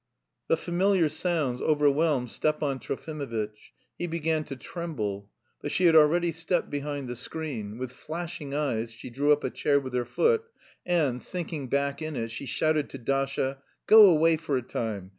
The familiar sounds overwhelmed Stepan Trofimovitch. He began to tremble. But she had already stepped behind the screen. With flashing eyes she drew up a chair with her foot, and, sinking back in it, she shouted to Dasha: "Go away for a time!